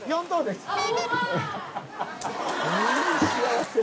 ４等です。